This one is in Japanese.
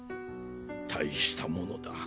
大したものだ。